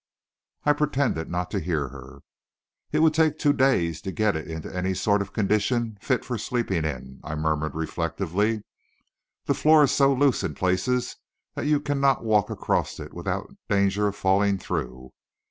I pretended not to hear her. "It would take two days to get it into any sort of condition fit for sleeping in," I murmured reflectively. "The floor is so loose in places that you cannot walk across it without danger of falling through.